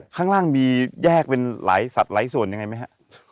ข้างล่างมีแยกเป็นหลายสัตว์หลายส่วนยังไงไหมฮะ